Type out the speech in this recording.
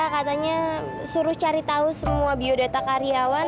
katanya suruh cari tahu semua biodata karyawan